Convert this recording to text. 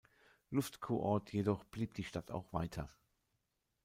Luftkurort jedoch blieb die Stadt auch weiter.